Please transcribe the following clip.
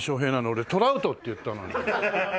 俺トラウトって言ったのに。